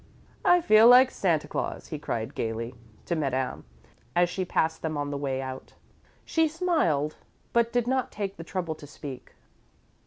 "I feel like Santa Claus," he cried, gaily, to Madame, as she passed them on the way out. She smiled, but did not take the trouble to speak.